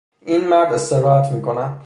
این مرد دارد استراحت میکند.